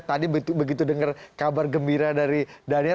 tadi begitu dengar kabar gembira dari daniel